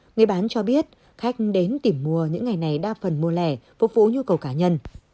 người bán cho biết khách đến tìm mua những ngày này đa phần mùa lẻ phục vụ nhu cầu cá nhân